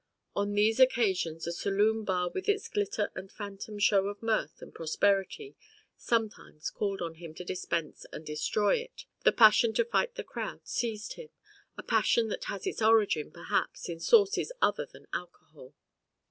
On these occasions a saloon bar with its glitter and phantom show of mirth and prosperity sometimes called on him to dispense and destroy it, the passion to fight the crowd seized him, a passion that has its origin, perhaps, in sources other than alcohol.